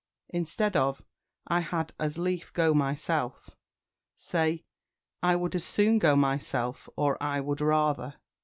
Instead of "I had as lief go myself," say "I would as soon go myself," or "I would rather."